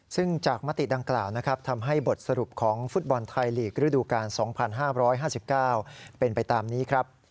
ซึ่งจากมติดังกล่าวนะครับทำให้บทสรุปของฟุตบอลไทยลีกระดูกาล๒๕๕๙เป็นไปตามนี้ครับ